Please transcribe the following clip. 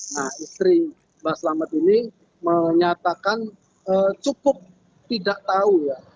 nah istri mbak selamat ini menyatakan cukup tidak tahu ya